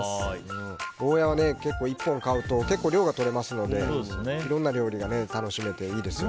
ゴーヤーは結構、１本買うと量がとれますのでいろんな料理が楽しめていいですよね。